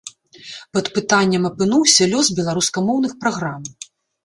Пад пытаннем апынуўся лёс беларускамоўных праграм.